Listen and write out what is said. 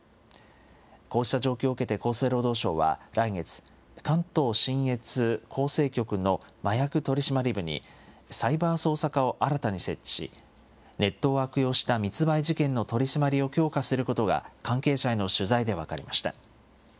こうした状況を受けて厚生労働省は来月、関東信越厚生局の麻薬取締部に、サイバー捜査課を新たに設置し、ネットを悪用した密売事件の取締りを強化することが、関係者への取材で分かりました。